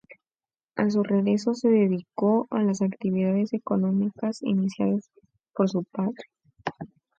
A su regreso se dedicó a las actividades económicas iniciadas por su padre.